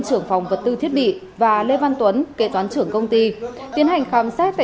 trưởng phòng vật tư thiết bị và lê văn tuấn kế toán trưởng công ty tiến hành khám xét tại